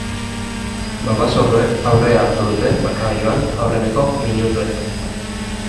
Babazorroek aurrea hartu dute markagailuan aurreneko minutuetan.